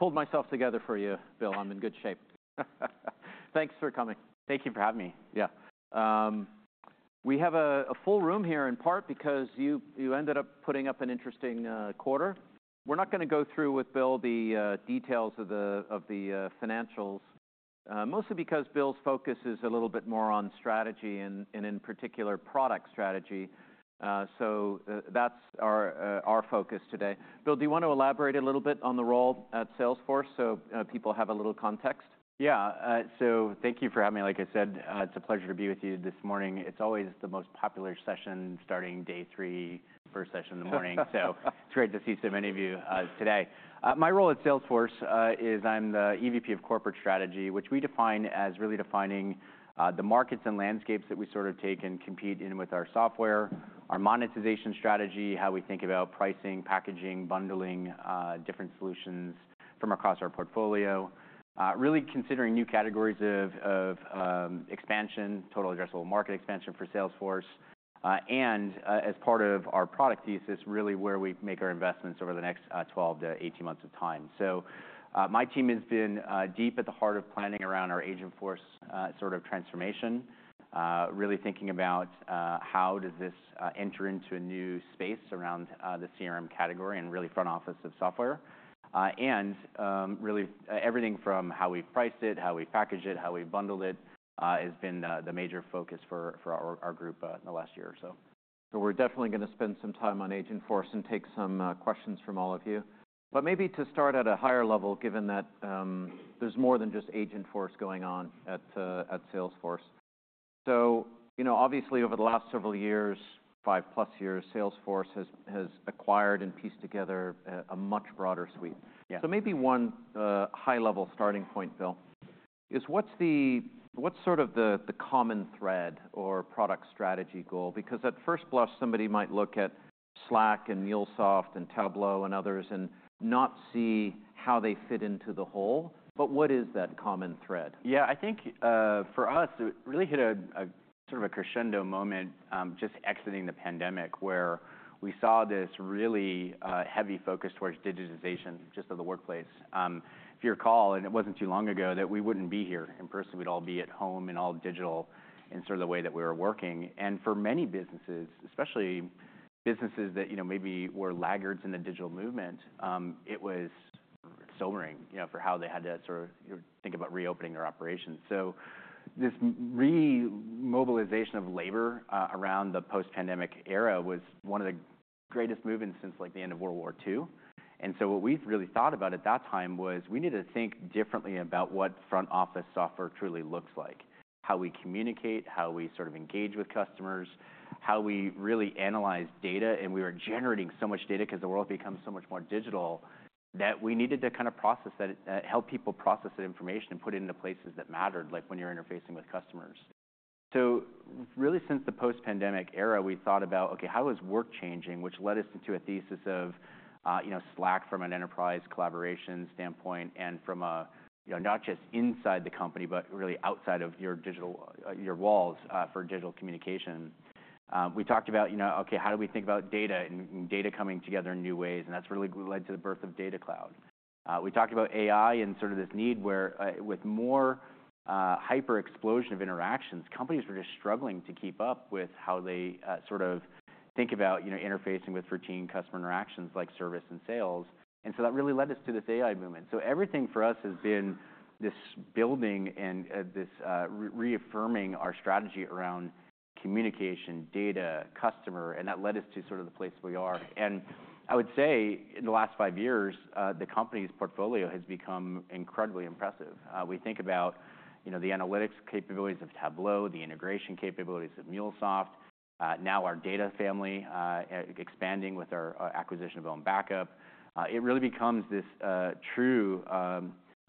I pulled myself together for you, Bill. I'm in good shape. Thanks for coming. Thank you for having me. Yeah. We have a full room here in part because you ended up putting up an interesting quarter. We're not going to go through with Bill the details of the financials, mostly because Bill's focus is a little bit more on strategy and, in particular, product strategy. So that's our focus today. Bill, do you want to elaborate a little bit on the role at Salesforce so people have a little context? Yeah. So thank you for having me. Like I said, it's a pleasure to be with you this morning. It's always the most popular session starting day three, first session in the morning. So it's great to see so many of you today. My role at Salesforce is I'm the EVP of Corporate Strategy, which we define as really defining the markets and landscapes that we sort of take and compete in with our software, our monetization strategy, how we think about pricing, packaging, bundling different solutions from across our portfolio, really considering new categories of expansion, total addressable market expansion for Salesforce, and as part of our product thesis, really where we make our investments over the next 12 to 18 months of time. So my team has been deep at the heart of planning around our Agentforce sort of transformation, really thinking about how does this enter into a new space around the CRM category and really front office of software, and really everything from how we price it, how we package it, how we bundle it has been the major focus for our group the last year or so. So we're definitely going to spend some time on Agentforce and take some questions from all of you. But maybe to start at a higher level, given that there's more than just Agentforce going on at Salesforce. So, you know, obviously over the last several years, five-plus years, Salesforce has acquired and pieced together a much broader suite. So maybe one high-level starting point, Bill, is what's sort of the common thread or product strategy goal? Because at first blush, somebody might look at Slack and MuleSoft and Tableau and others and not see how they fit into the whole. But what is that common thread? Yeah, I think for us, it really hit a sort of a crescendo moment just exiting the pandemic where we saw this really heavy focus towards digitization just of the workplace. If you recall, and it wasn't too long ago that we wouldn't be here in person. We'd all be at home and all digital in sort of the way that we were working. And for many businesses, especially businesses that maybe were laggards in the digital movement, it was sobering for how they had to sort of think about reopening their operations. So this remobilization of labor around the post-pandemic era was one of the greatest movements since like the end of World War II. And so what we really thought about at that time was we needed to think differently about what front office software truly looks like, how we communicate, how we sort of engage with customers, how we really analyze data. And we were generating so much data because the world becomes so much more digital that we needed to kind of process that, help people process that information and put it into places that mattered, like when you're interfacing with customers. So really since the post-pandemic era, we thought about, OK, how is work changing, which led us into a thesis of Slack from an enterprise collaboration standpoint and from not just inside the company, but really outside of your walls for digital communication. We talked about, OK, how do we think about data and data coming together in new ways? And that's really led to the birth of Data Cloud. We talked about AI and sort of this need where with more hyper-explosion of interactions, companies were just struggling to keep up with how they sort of think about interfacing with routine customer interactions like service and sales. And so that really led us to this AI movement. So everything for us has been this building and this reaffirming our strategy around communication, data, customer. And that led us to sort of the place we are. And I would say in the last five years, the company's portfolio has become incredibly impressive. We think about the analytics capabilities of Tableau, the integration capabilities of MuleSoft, now our data family expanding with our acquisition of OwnBackup. It really becomes this true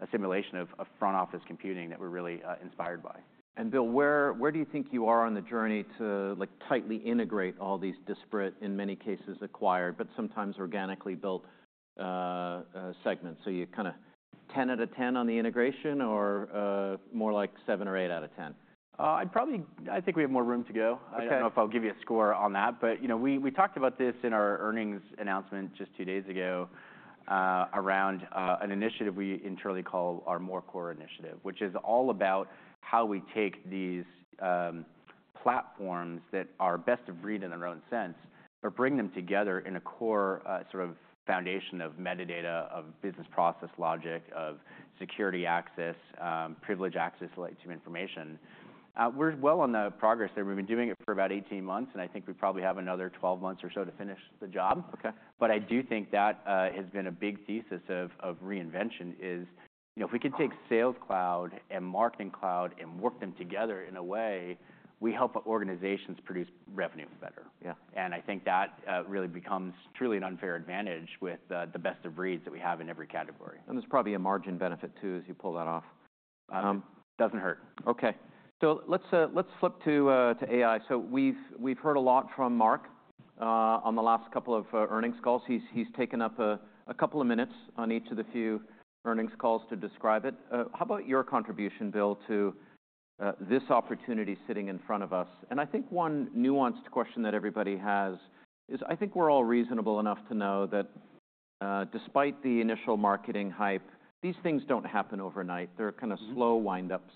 assimilation of front office computing that we're really inspired by. And Bill, where do you think you are on the journey to tightly integrate all these disparate, in many cases acquired, but sometimes organically built segments? So you kind of 10 out of 10 on the integration or more like seven or eight out of 10? I think we have more room to go. I don't know if I'll give you a score on that. But we talked about this in our earnings announcement just two days ago around an initiative we internally call our More Core initiative, which is all about how we take these platforms that are best of breed in their own sense but bring them together in a core sort of foundation of metadata, of business process logic, of security access, privilege access to information. We're well on the progress there. We've been doing it for about 18 months. And I think we probably have another 12 months or so to finish the job. But I do think that has been a big thesis of reinvention is if we could take Sales Cloud and Marketing Cloud and work them together in a way, we help organizations produce revenue better. I think that really becomes truly an unfair advantage with the best of breeds that we have in every category. And there's probably a margin benefit too as you pull that off. Doesn't hurt. Okay. So let's flip to AI. So we've heard a lot from Marc on the last couple of earnings calls. He's taken up a couple of minutes on each of the few earnings calls to describe it. How about your contribution, Bill, to this opportunity sitting in front of us? I think one nuanced question that everybody has is I think we're all reasonable enough to know that despite the initial marketing hype, these things don't happen overnight. They're kind of slow wind-ups.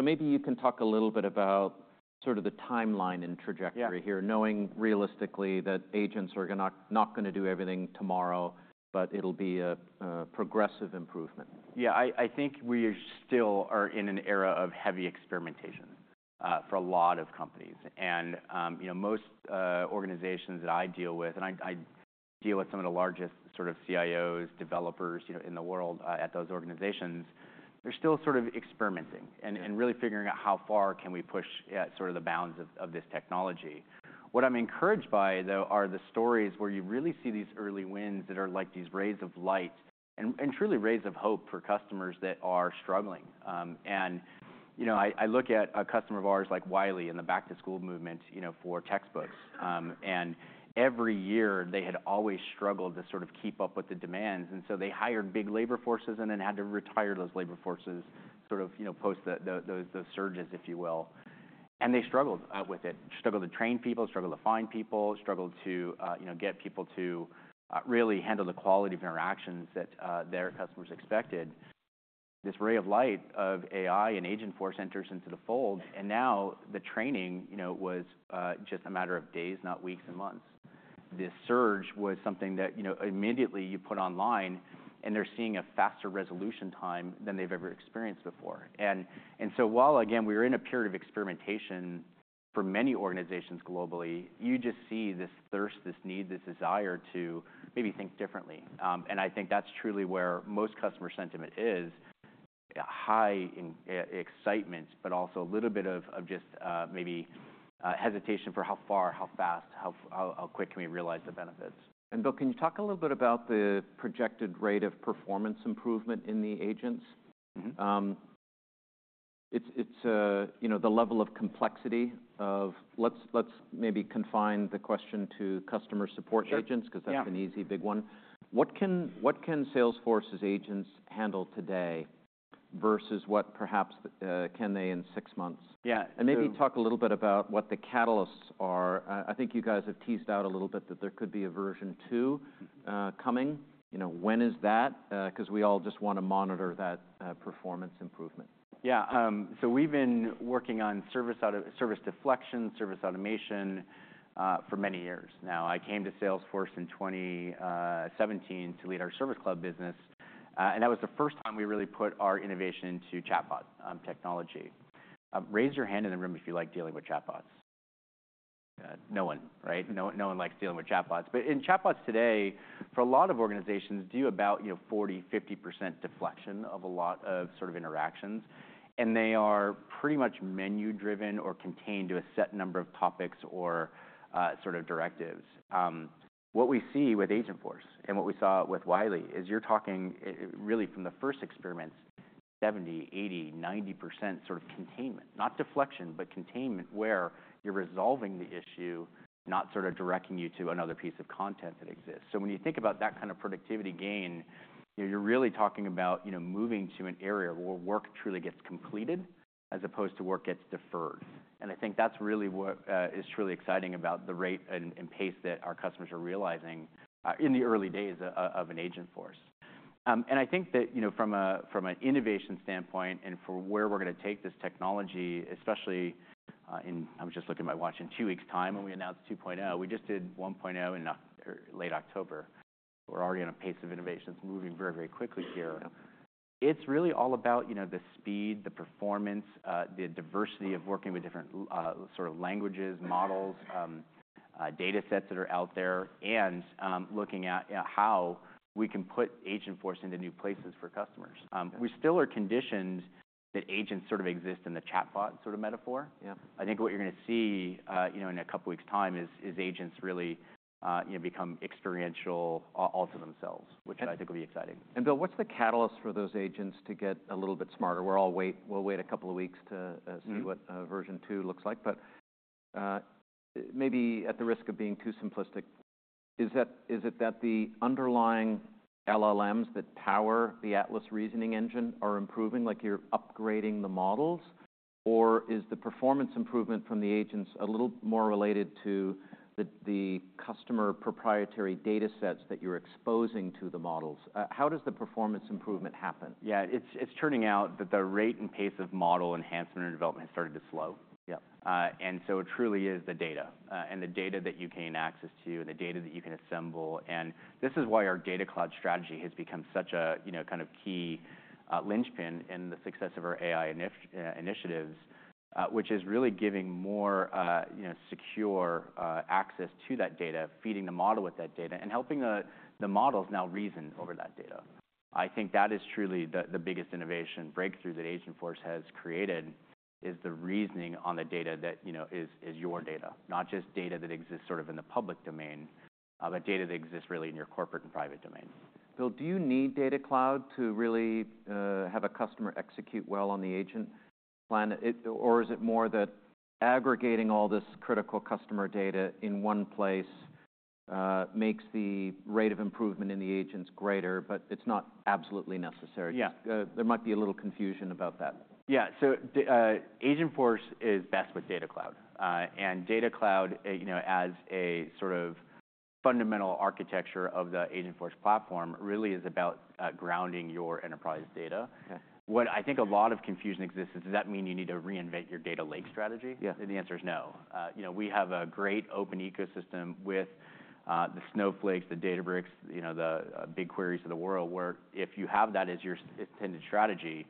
Maybe you can talk a little bit about sort of the timeline and trajectory here, knowing realistically that agents are not going to do everything tomorrow, but it'll be a progressive improvement. Yeah, I think we still are in an era of heavy experimentation for a lot of companies. And most organizations that I deal with, and I deal with some of the largest sort of CIOs, developers in the world at those organizations, they're still sort of experimenting and really figuring out how far can we push at sort of the bounds of this technology. What I'm encouraged by, though, are the stories where you really see these early wins that are like these rays of light and truly rays of hope for customers that are struggling. And I look at a customer of ours like Wiley and the back-to-school movement for textbooks. And every year they had always struggled to sort of keep up with the demands. And so they hired big labor forces and then had to retire those labor forces sort of post those surges, if you will. And they struggled with it, struggled to train people, struggled to find people, struggled to get people to really handle the quality of interactions that their customers expected. This ray of light of AI and Agentforce enters into the fold. And now the training was just a matter of days, not weeks and months. This surge was something that immediately you put online, and they're seeing a faster resolution time than they've ever experienced before. And so while, again, we were in a period of experimentation for many organizations globally, you just see this thirst, this need, this desire to maybe think differently. And I think that's truly where most customer sentiment is, high excitement, but also a little bit of just maybe hesitation for how far, how fast, how quick can we realize the benefits. And Bill, can you talk a little bit about the projected rate of performance improvement in the agents? It's the level of complexity or let's maybe confine the question to customer support agents because that's an easy big one. What can Salesforce's agents handle today versus what perhaps can they in six months? And maybe talk a little bit about what the catalysts are. I think you guys have teased out a little bit that there could be a version two coming. When is that? Because we all just want to monitor that performance improvement. Yeah. So we've been working on service deflection, service automation for many years now. I came to Salesforce in 2017 to lead our Service Cloud business. And that was the first time we really put our innovation into chatbot technology. Raise your hand in the room if you like dealing with chatbots. No one, right? No one likes dealing with chatbots. But in chatbots today, for a lot of organizations, do about 40%, 50% deflection of a lot of sort of interactions. And they are pretty much menu-driven or contained to a set number of topics or sort of directives. What we see with Agentforce and what we saw with Wiley is you're talking really from the first experiments, 70%, 80%, 90% sort of containment, not deflection, but containment where you're resolving the issue, not sort of directing you to another piece of content that exists. So when you think about that kind of productivity gain, you're really talking about moving to an area where work truly gets completed as opposed to work gets deferred. And I think that's really what is truly exciting about the rate and pace that our customers are realizing in the early days of Agentforce. And I think that from an innovation standpoint and for where we're going to take this technology, especially in I'm just looking at my watch in two weeks' time when we announce 2.0. We just did 1.0 in late October. We're already on a pace of innovations moving very, very quickly here. It's really all about the speed, the performance, the diversity of working with different sort of languages, models, data sets that are out there, and looking at how we can put Agentforce into new places for customers. We still are conditioned that agents sort of exist in the chatbot sort of metaphor. I think what you're going to see in a couple of weeks' time is agents really become experiential all to themselves, which I think will be exciting. Bill, what's the catalyst for those agents to get a little bit smarter? We'll wait a couple of weeks to see what version two looks like. Maybe at the risk of being too simplistic, is it that the underlying LLMs that power the Atlas Reasoning Engine are improving, like you're upgrading the models? Is the performance improvement from the agents a little more related to the customer proprietary data sets that you're exposing to the models? How does the performance improvement happen? Yeah, it's turning out that the rate and pace of model enhancement and development has started to slow. And so it truly is the data, and the data that you gain access to, and the data that you can assemble. And this is why our Data Cloud strategy has become such a kind of key linchpin in the success of our AI initiatives, which is really giving more secure access to that data, feeding the model with that data, and helping the models now reason over that data. I think that is truly the biggest innovation breakthrough that Agentforce has created is the reasoning on the data that is your data, not just data that exists sort of in the public domain, but data that exists really in your corporate and private domain. Bill, do you need Data Cloud to really have a customer execute well on the agent plan? Or is it more that aggregating all this critical customer data in one place makes the rate of improvement in the agents greater, but it's not absolutely necessary? Yeah. There might be a little confusion about that. Yeah. So Agentforce is best with Data Cloud. And Data Cloud, as a sort of fundamental architecture of the Agentforce platform, really is about grounding your enterprise data. What I think a lot of confusion exists is, does that mean you need to reinvent your data lake strategy? Yeah. The answer is no. We have a great open ecosystem with the Snowflake, the Databricks, the BigQuery of the world where if you have that as your intended strategy,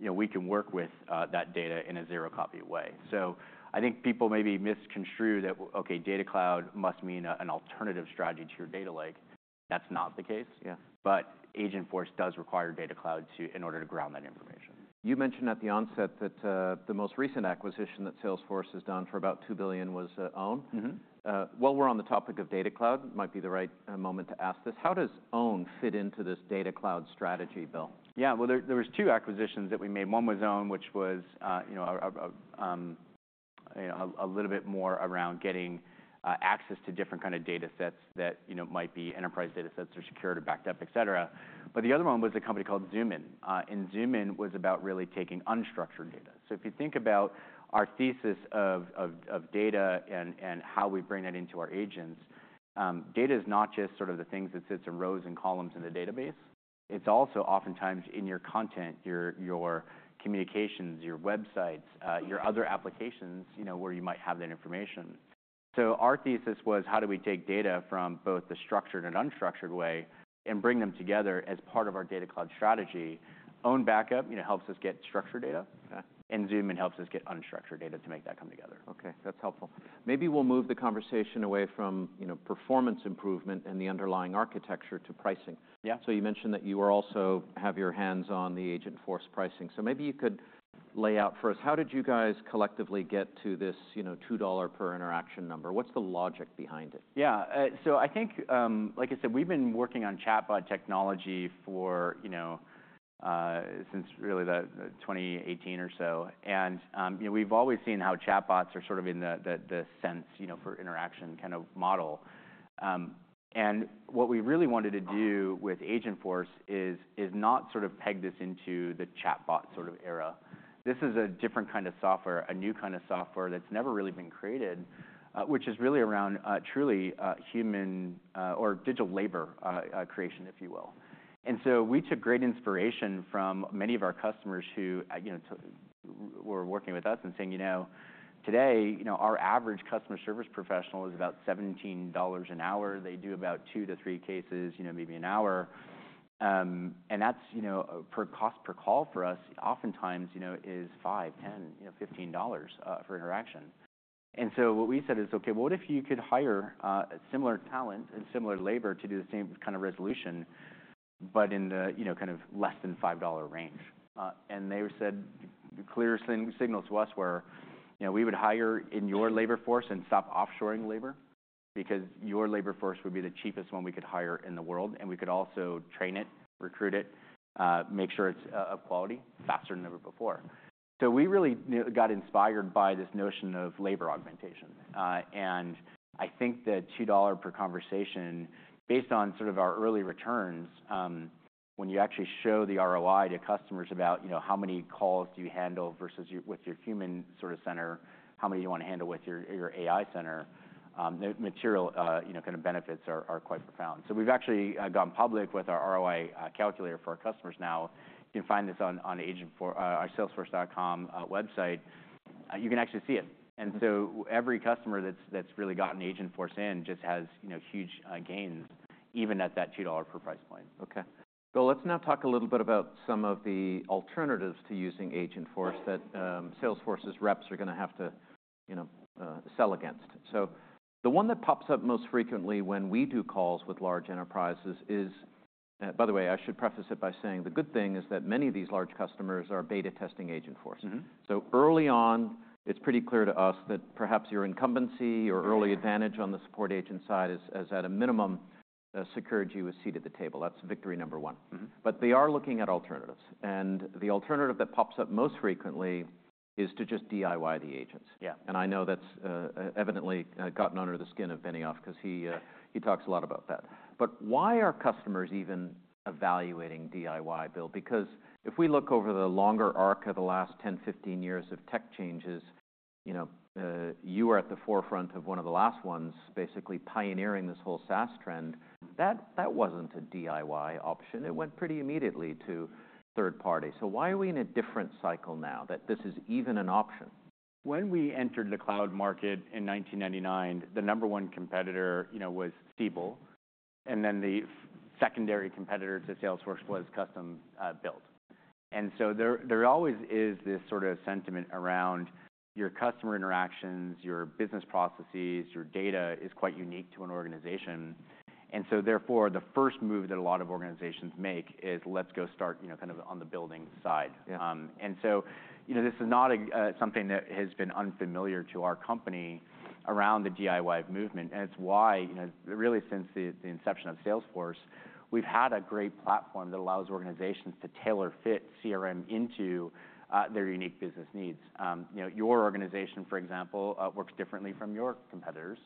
we can work with that data in a zero-copy way. So I think people maybe misconstrue that, OK, Data Cloud must mean an alternative strategy to your data lake. That's not the case. But Agentforce does require Data Cloud in order to ground that information. You mentioned at the onset that the most recent acquisition that Salesforce has done for about $2 billion was OWN. While we're on the topic of Data Cloud, it might be the right moment to ask this. How does OWN fit into this Data Cloud strategy, Bill? Yeah. Well, there were two acquisitions that we made. One was Own, which was a little bit more around getting access to different kind of data sets that might be enterprise data sets or secured or backed up, et cetera. But the other one was a company called Zoomin. And Zoomin was about really taking unstructured data. So if you think about our thesis of data and how we bring that into our agents, data is not just sort of the things that sit in rows and columns in the database. It's also oftentimes in your content, your communications, your websites, your other applications where you might have that information. So our thesis was, how do we take data from both the structured and unstructured way and bring them together as part of our Data Cloud strategy? OwnBackup helps us get structured data, and Zoomin helps us get unstructured data to make that come together. OK. That's helpful. Maybe we'll move the conversation away from performance improvement and the underlying architecture to pricing. So you mentioned that you also have your hands on the Agentforce pricing. So maybe you could lay out for us, how did you guys collectively get to this $2 per interaction number? What's the logic behind it? Yeah. So I think, like I said, we've been working on chatbot technology since really 2018 or so. And we've always seen how chatbots are sort of in the sense for interaction kind of model. And what we really wanted to do with Agentforce is not sort of peg this into the chatbot sort of era. This is a different kind of software, a new kind of software that's never really been created, which is really around truly human or digital labor creation, if you will. And so we took great inspiration from many of our customers who were working with us and saying, you know, today our average customer service professional is about $17 an hour. They do about two-three cases maybe an hour. And that's per cost per call for us oftentimes is $5, $10, $15 for interaction. And so what we said is, OK, what if you could hire similar talent and similar labor to do the same kind of resolution, but in the kind of less than $5 range? And they sent clear signals to us where we would hire in your labor force and stop offshoring labor because your labor force would be the cheapest one we could hire in the world. And we could also train it, recruit it, make sure it's of quality faster than ever before. So we really got inspired by this notion of labor augmentation. And I think the $2 per conversation, based on sort of our early returns, when you actually show the ROI to customers about how many calls do you handle versus with your human service center, how many do you want to handle with your AI center, the material kind of benefits are quite profound. So we've actually gone public with our ROI calculator for our customers now. You can find this on our Salesforce.com website. You can actually see it. And so every customer that's really gotten Agentforce in just has huge gains, even at that $2 per price point. OK. Bill, let's now talk a little bit about some of the alternatives to using Agentforce that Salesforce's reps are going to have to sell against, so the one that pops up most frequently when we do calls with large enterprises is, by the way, I should preface it by saying the good thing is that many of these large customers are beta testing Agentforce, so early on, it's pretty clear to us that perhaps your incumbency or early advantage on the support agent side has, at a minimum, secured you a seat at the table, that's victory number one, but they are looking at alternatives, and the alternative that pops up most frequently is to just DIY the agents. Yeah. And I know that's evidently gotten under the skin of Benioff because he talks a lot about that. But why are customers even evaluating DIY, Bill? Because if we look over the longer arc of the last 10, 15 years of tech changes, you were at the forefront of one of the last ones, basically pioneering this whole SaaS trend. That wasn't a DIY option. It went pretty immediately to third party. So why are we in a different cycle now that this is even an option? When we entered the cloud market in 1999, the number one competitor was Siebel. And then the secondary competitor to Salesforce was custom build. And so there always is this sort of sentiment around your customer interactions, your business processes, your data is quite unique to an organization. And so therefore, the first move that a lot of organizations make is, let's go start kind of on the building side. And so this is not something that has been unfamiliar to our company around the DIY movement. And it's why, really, since the inception of Salesforce, we've had a great platform that allows organizations to tailor fit CRM into their unique business needs. Your organization, for example, works differently from your competitors.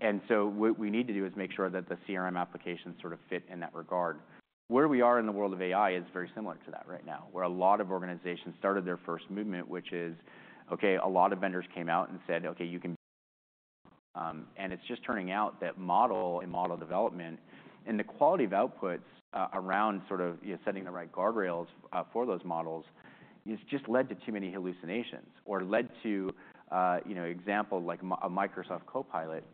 And so what we need to do is make sure that the CRM applications sort of fit in that regard. Where we are in the world of AI is very similar to that right now, where a lot of organizations started their first movement, which is, OK, a lot of vendors came out and said, OK, you can build. And it's just turning out that model and model development and the quality of outputs around sort of setting the right guardrails for those models has just led to too many hallucinations or led to, example, like a Microsoft Copilot,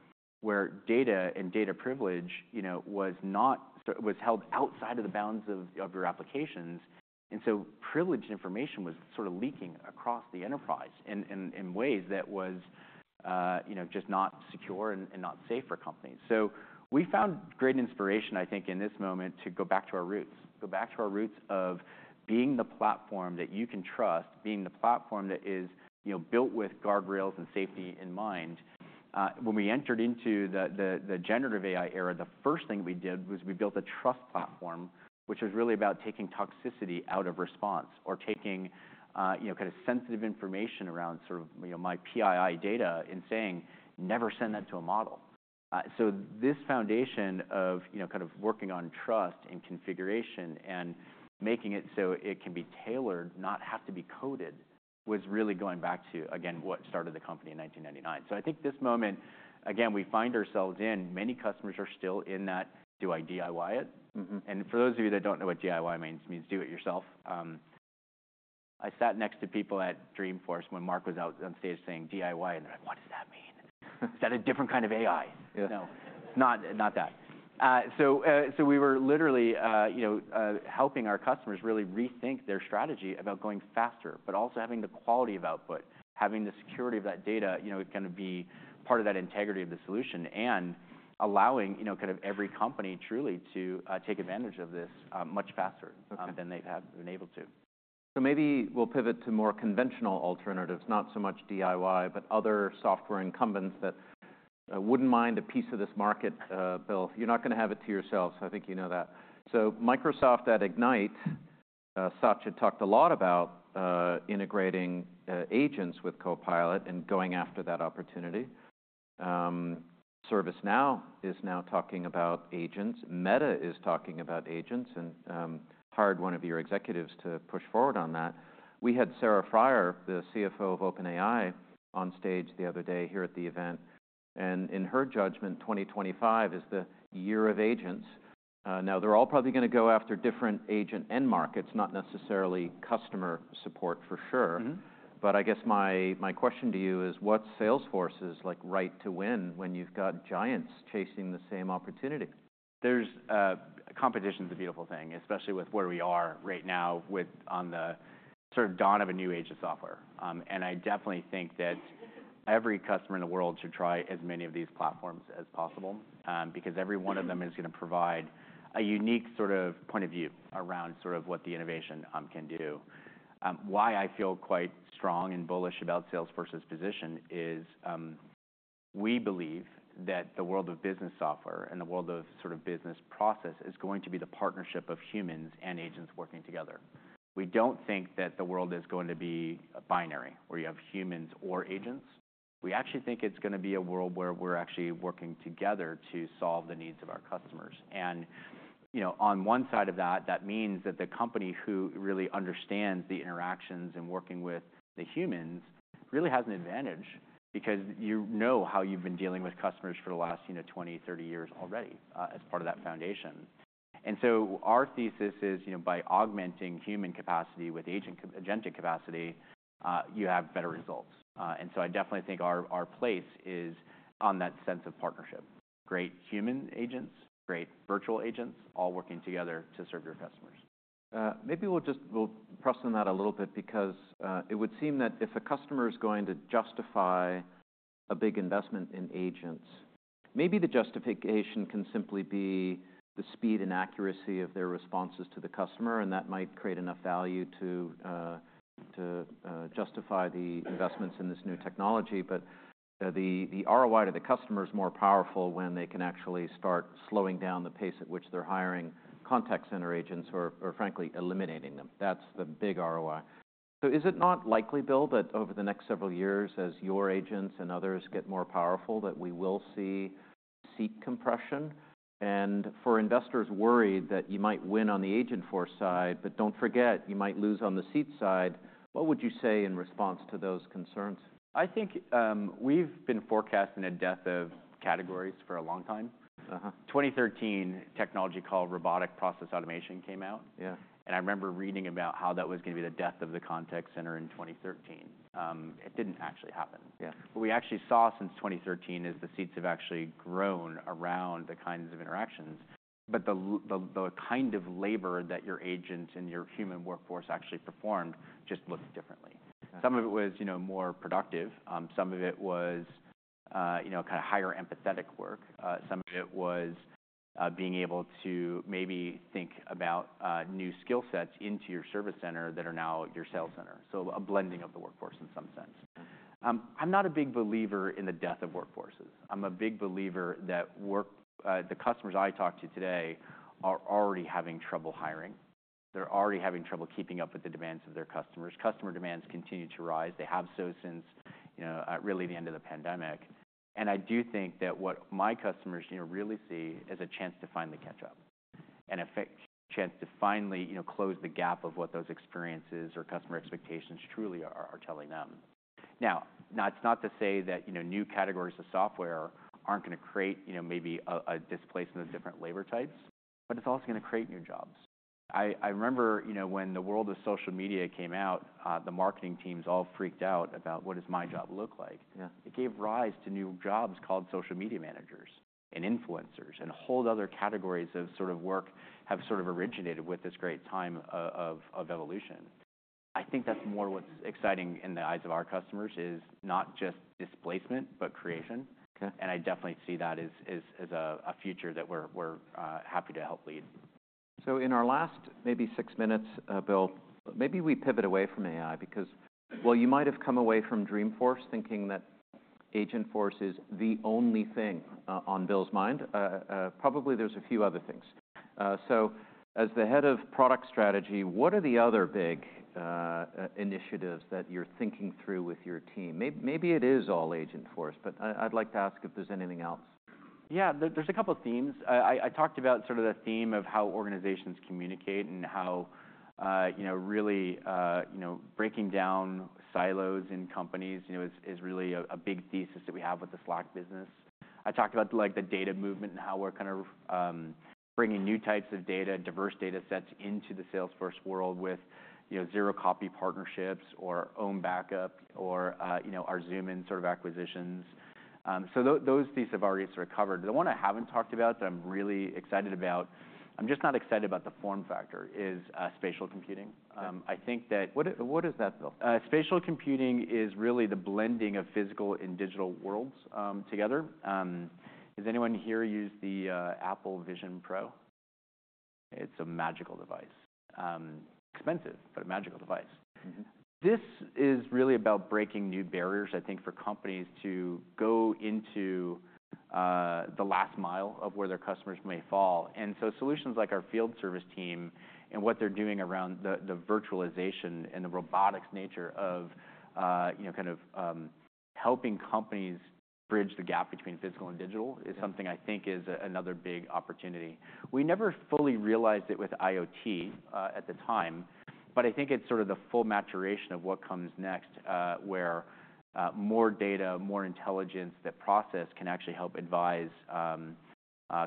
where data and data privilege was held outside of the bounds of your applications. And so privileged information was sort of leaking across the enterprise in ways that was just not secure and not safe for companies. So we found great inspiration, I think, in this moment to go back to our roots, go back to our roots of being the platform that you can trust, being the platform that is built with guardrails and safety in mind. When we entered into the generative AI era, the first thing we did was we built a trust platform, which was really about taking toxicity out of response or taking kind of sensitive information around sort of my PII data and saying, never send that to a model. So this foundation of kind of working on trust and configuration and making it so it can be tailored, not have to be coded, was really going back to, again, what started the company in 1999. So I think this moment, again, we find ourselves in many customers are still in that, do I DIY it? For those of you that don't know what DIY means, means do it yourself. I sat next to people at Dreamforce when Marc was out on stage saying, DIY. They're like, what does that mean? Is that a different kind of AI? No, it's not that. We were literally helping our customers really rethink their strategy about going faster, but also having the quality of output, having the security of that data kind of be part of that integrity of the solution, and allowing kind of every company truly to take advantage of this much faster than they've been able to. So maybe we'll pivot to more conventional alternatives, not so much DIY, but other software incumbents that wouldn't mind a piece of this market. Bill, you're not going to have it to yourselves. I think you know that. So Microsoft at Ignite, Satya talked a lot about integrating agents with Copilot and going after that opportunity. ServiceNow is now talking about agents. Meta is talking about agents and hired one of your executives to push forward on that. We had Sarah Friar, the CFO of OpenAI, on stage the other day here at the event. And in her judgment, 2025 is the year of agents. Now, they're all probably going to go after different agent end markets, not necessarily customer support for sure. But I guess my question to you is, what's Salesforce's right to win when you've got giants chasing the same opportunity? Competition is a beautiful thing, especially with where we are right now on the sort of dawn of a new age of software, and I definitely think that every customer in the world should try as many of these platforms as possible because every one of them is going to provide a unique sort of point of view around sort of what the innovation can do. Why I feel quite strong and bullish about Salesforce's position is we believe that the world of business software and the world of sort of business process is going to be the partnership of humans and agents working together. We don't think that the world is going to be binary, where you have humans or agents. We actually think it's going to be a world where we're actually working together to solve the needs of our customers. And on one side of that, that means that the company who really understands the interactions and working with the humans really has an advantage, because you know how you've been dealing with customers for the last 20, 30 years already as part of that foundation. And so our thesis is, by augmenting human capacity with agent capacity, you have better results. And so I definitely think our place is in that sense of partnership. Great human agents, great virtual agents, all working together to serve your customers. Maybe we'll just press on that a little bit because it would seem that if a customer is going to justify a big investment in agents, maybe the justification can simply be the speed and accuracy of their responses to the customer. And that might create enough value to justify the investments in this new technology. But the ROI to the customer is more powerful when they can actually start slowing down the pace at which they're hiring contact center agents or, frankly, eliminating them. That's the big ROI. So is it not likely, Bill, that over the next several years, as your agents and others get more powerful, that we will see seat compression? And for investors worried that you might win on the Agentforce side, but don't forget, you might lose on the seat side, what would you say in response to those concerns? I think we've been forecasting a death of categories for a long time. 2013, technology called robotic process automation came out, and I remember reading about how that was going to be the death of the contact center in 2013. It didn't actually happen. What we actually saw since 2013 is the seats have actually grown around the kinds of interactions, but the kind of labor that your agents and your human workforce actually performed just looked differently. Some of it was more productive. Some of it was kind of higher empathetic work. Some of it was being able to maybe think about new skill sets into your service center that are now your sales center, so a blending of the workforce in some sense. I'm not a big believer in the death of workforces. I'm a big believer that the customers I talk to today are already having trouble hiring. They're already having trouble keeping up with the demands of their customers. Customer demands continue to rise. They have so since really the end of the pandemic, and I do think that what my customers really see is a chance to finally catch up and a chance to finally close the gap of what those experiences or customer expectations truly are telling them. Now, it's not to say that new categories of software aren't going to create maybe a displacement of different labor types, but it's also going to create new jobs. I remember when the world of social media came out, the marketing teams all freaked out about what does my job look like. It gave rise to new jobs called social media managers and influencers and a whole other categories of sort of work have sort of originated with this great time of evolution. I think that's more what's exciting in the eyes of our customers is not just displacement, but creation, and I definitely see that as a future that we're happy to help lead. So in our last maybe six minutes, Bill, maybe we pivot away from AI because, well, you might have come away from Dreamforce thinking that Agentforce is the only thing on Bill's mind. Probably there's a few other things. So as the head of product strategy, what are the other big initiatives that you're thinking through with your team? Maybe it is all Agentforce, but I'd like to ask if there's anything else. Yeah, there's a couple of themes. I talked about sort of the theme of how organizations communicate and how really breaking down silos in companies is really a big thesis that we have with the Slack business. I talked about the data movement and how we're kind of bringing new types of data, diverse data sets into the Salesforce world with zero-copy partnerships or OwnBackup or our Zoomin sort of acquisitions. So those pieces have already sort of covered. The one I haven't talked about that I'm really excited about, I'm just not excited about the form factor, is spatial computing. I think that. What is that, Bill? Spatial computing is really the blending of physical and digital worlds together. Has anyone here used the Apple Vision Pro? It's a magical device. Expensive, but a magical device. This is really about breaking new barriers, I think, for companies to go into the last mile of where their customers may fall, and so solutions like our field service team and what they're doing around the virtualization and the robotics nature of kind of helping companies bridge the gap between physical and digital is something I think is another big opportunity. We never fully realized it with IoT at the time, but I think it's sort of the full maturation of what comes next, where more data, more intelligence, that process can actually help advise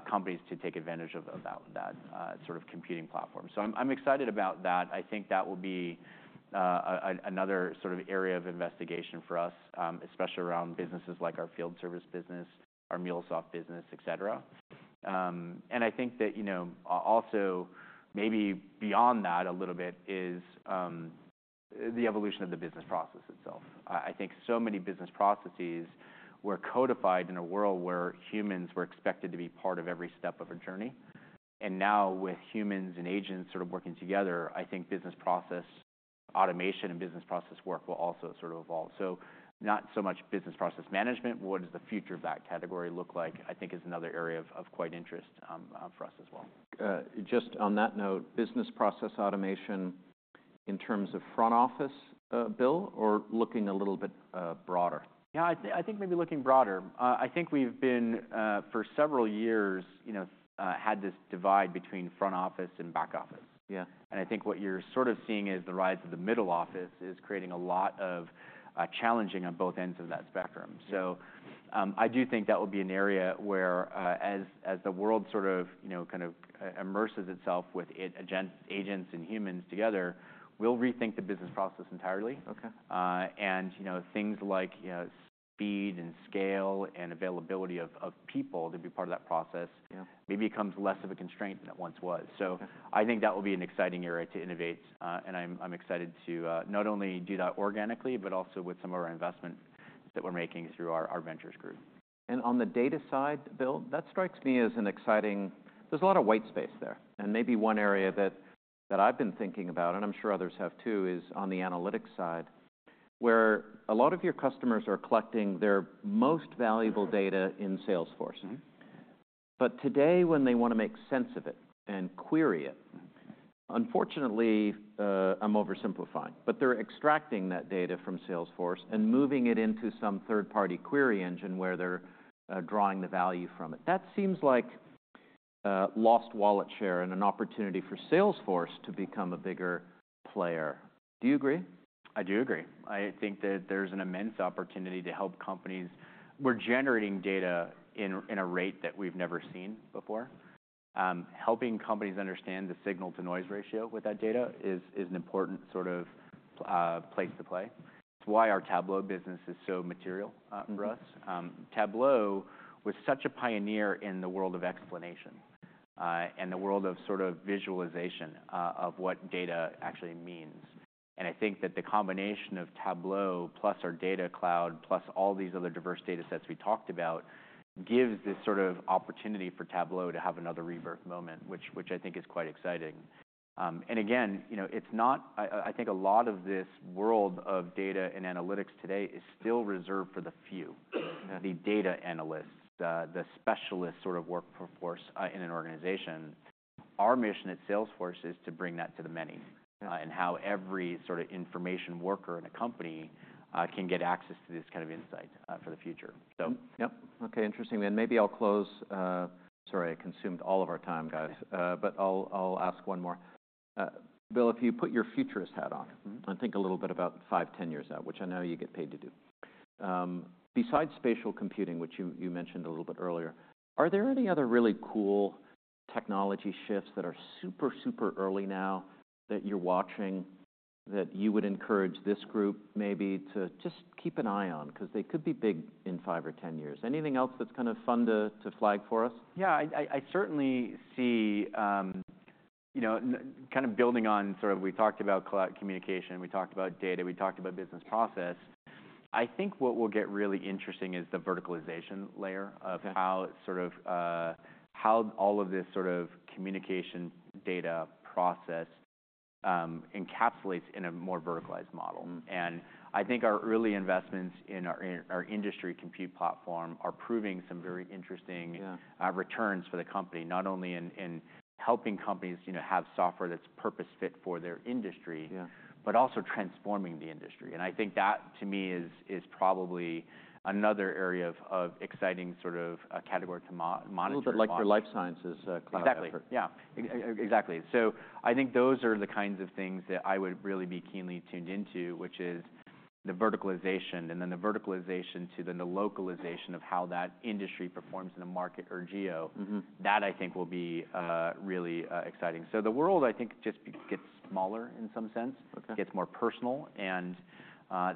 companies to take advantage of that sort of computing platform, so I'm excited about that. I think that will be another sort of area of investigation for us, especially around businesses like our field service business, our MuleSoft business, et cetera, and I think that also maybe beyond that a little bit is the evolution of the business process itself. I think so many business processes were codified in a world where humans were expected to be part of every step of a journey, and now with humans and agents sort of working together, I think business process automation and business process work will also sort of evolve, so not so much business process management. What does the future of that category look like? I think that is another area of great interest for us as well. Just on that note, business process automation in terms of front office, Bill, or looking a little bit broader? Yeah, I think maybe looking broader. I think we've been for several years had this divide between front office and back office. And I think what you're sort of seeing is the rise of the middle office is creating a lot of challenges on both ends of that spectrum. So I do think that will be an area where, as the world sort of kind of immerses itself with agents and humans together, we'll rethink the business process entirely. And things like speed and scale and availability of people to be part of that process maybe becomes less of a constraint than it once was. So I think that will be an exciting area to innovate. And I'm excited to not only do that organically, but also with some of our investment that we're making through our ventures group. On the data side, Bill, that strikes me as an exciting, there's a lot of white space there. Maybe one area that I've been thinking about, and I'm sure others have too, is on the analytics side, where a lot of your customers are collecting their most valuable data in Salesforce. Today, when they want to make sense of it and query it, unfortunately, I'm oversimplifying, but they're extracting that data from Salesforce and moving it into some third-party query engine where they're drawing the value from it. That seems like lost wallet share and an opportunity for Salesforce to become a bigger player. Do you agree? I do agree. I think that there's an immense opportunity to help companies. We're generating data in a rate that we've never seen before. Helping companies understand the signal-to-noise ratio with that data is an important sort of place to play. It's why our Tableau business is so material for us. Tableau was such a pioneer in the world of explanation and the world of sort of visualization of what data actually means. And I think that the combination of Tableau plus our Data Cloud plus all these other diverse data sets we talked about gives this sort of opportunity for Tableau to have another rebirth moment, which I think is quite exciting. And again, it's not. I think a lot of this world of data and analytics today is still reserved for the few, the data analysts, the specialist sort of workforce in an organization. Our mission at Salesforce is to bring that to the many and how every sort of information worker in a company can get access to this kind of insight for the future. Yep. OK, interesting. And maybe I'll close. Sorry, I consumed all of our time, guys. But I'll ask one more. Bill, if you put your futurist hat on and think a little bit about five, 10 years out, which I know you get paid to do, besides spatial computing, which you mentioned a little bit earlier, are there any other really cool technology shifts that are super, super early now that you're watching that you would encourage this group maybe to just keep an eye on because they could be big in five or 10 years? Anything else that's kind of fun to flag for us? Yeah, I certainly see kind of building on sort of, we talked about cloud communication. We talked about data. We talked about business process. I think what will get really interesting is the verticalization layer of how all of this sort of communication data process encapsulates in a more verticalized model, and I think our early investments in our industry compute platform are proving some very interesting returns for the company, not only in helping companies have software that's purpose-fit for their industry, but also transforming the industry, and I think that, to me, is probably another area of exciting sort of category to monitor. A little bit like your Life Sciences Cloud. Exactly. Yeah, exactly. So I think those are the kinds of things that I would really be keenly tuned into, which is the verticalization and then the verticalization to then the localization of how that industry performs in a market or geo. That, I think, will be really exciting. So the world, I think, just gets smaller in some sense, gets more personal. And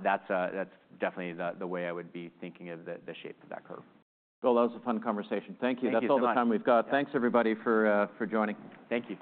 that's definitely the way I would be thinking of the shape of that curve. Bill, that was a fun conversation. Thank you. That's all the time we've got. Thanks, everybody, for joining. Thank you.